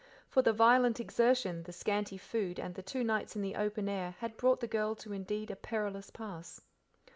For the violent exertion, the scanty food, and the two nights in the open air had brought the girl to indeed a perilous pass.